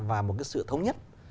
và một cái sự thống nhất